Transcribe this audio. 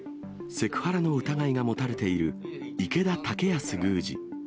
セクハラの疑いが持たれている、池田剛康宮司。